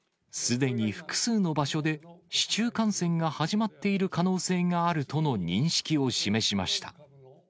でに複数の場所で、市中感染が始まっている可能性があるとの認識を示しました。